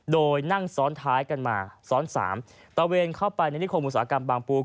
โดยนั่งซ้อนท้ายกันมาซ้อนสามตะเวนเข้าไปในนิคมอุตสาหกรรมบางปู